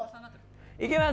いきます。